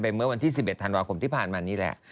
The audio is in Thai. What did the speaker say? เมื่อวันที่๑๑ธันวาคมที่ผ่านมานี่แหละ